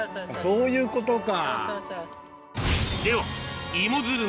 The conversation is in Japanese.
そういうことか。